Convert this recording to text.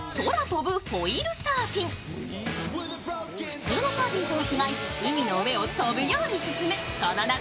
普通のサーフィンとは違い、海の上を飛ぶように進むこの夏